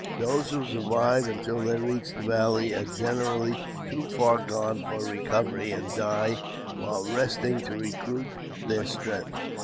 Those who survive until they reach the Valley are generally too far gone for recovery, and die while resting to recruit their strength.